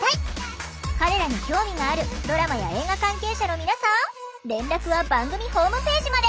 彼らに興味があるドラマや映画関係者の皆さん連絡は番組ホームページまで。